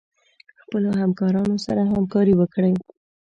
خپلو همکارانو سره همکاري وکړئ.